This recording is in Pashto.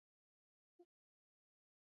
او په خپلو تباهيو ئې پښېمانه ښودلے شي.